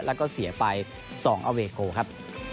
แล้วก็เสียไป๒อเวโกครับ